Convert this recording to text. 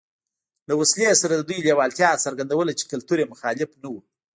له وسلې سره د دوی لېوالتیا څرګندوله چې کلتور یې مخالف نه و